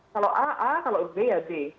kalau a a kalau b ya b